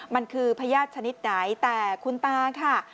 มันคือพญาติชนิดไหนแต่คุณตาค่ะ